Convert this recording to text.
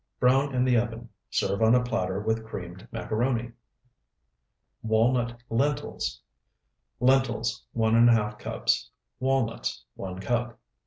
Brown in the oven. Serve on a platter with creamed macaroni. WALNUT LENTILS Lentils, 1½ cups. Walnuts, 1 cup.